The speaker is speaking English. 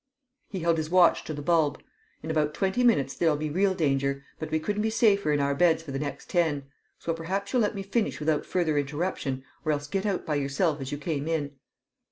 He held his watch to the bulb. "In about twenty minutes there'll be real danger, but we couldn't be safer in our beds for the next ten. So perhaps you'll let me finish without further interruption, or else get out by yourself as you came in."